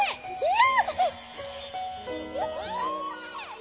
嫌！